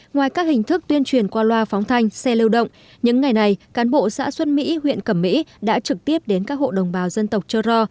ngoài các hình thức tuyên truyền qua loa phóng thanh xe lưu động những ngày này cán bộ xã xuân mỹ huyện cẩm mỹ đã trực tiếp đến các hộ đồng bào dân tộc trơ ro